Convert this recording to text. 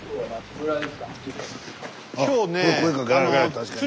確かにね。